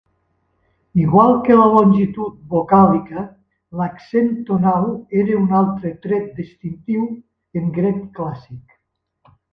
Igual que la longitud vocàlica, l'accent tonal era un altre tret distintiu en grec clàssic.